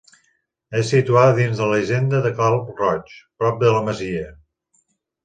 És situada dins la hisenda de Cal Roig, prop de la masia.